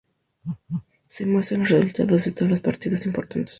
Se muestran los resultados de todos los partidos importantes.